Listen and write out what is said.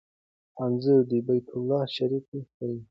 انځور د بیت الله شریف ښيي.